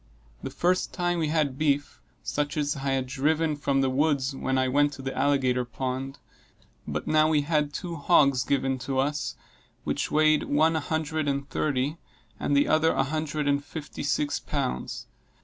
The first time we had beef, such as I had driven from the woods when I went to the alligator pond; but now we had two hogs given to us, which weighed, one a hundred and thirty, and the other a hundred and fifty six pounds.